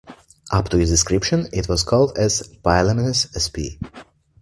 Up to its description it was called as "Pylaemenes" sp.